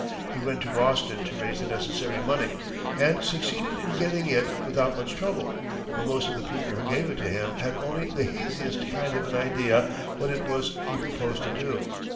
He went to Boston to raise the necessary money, and succeeded in getting it without much trouble, though most of the people who gave it to him had only the haziest kind of an idea of what it was he proposed to do.